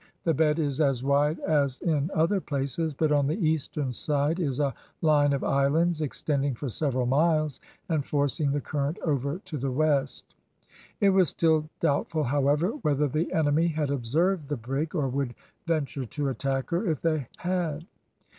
The bed is as wide as in other places, but on the eastern side is a line of islands extending for several miles, and forcing the current over to the west. It was still doubtful, however, whether the enemy had observed the brig, or would venture to attack her if they had.